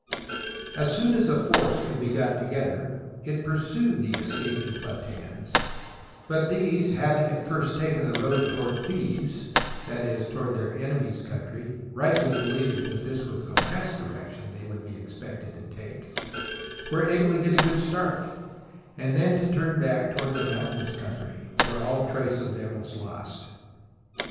As soon as a force could be got together, it pur sued the escaping Platgeans, but these having at first taken the road toward Thebes — that is, toward their enemies* country (rightly believing that this THE BOOK OF FAMOUS SIEGES was the last direction they would be expected to take) — were able to get a good start, and then to turn back toward the mountainous country, where all trace of them was lost.